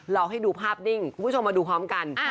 ให้ดูภาพนิ่งคุณผู้ชมมาดูพร้อมกัน